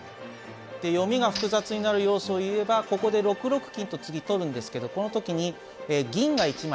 で読みが複雑になる要素を言えばここで６六金と次取るんですけどこの時に銀が１枚取れる。